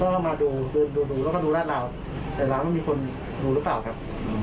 แล้วก็เข้ามาดูดูดูแล้วก็ดูราดราวแต่ร้านไม่มีคนดูหรือเปล่าครับ